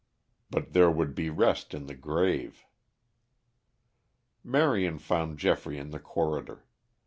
But there would be rest in the grave. Marion found Geoffrey in the corridor.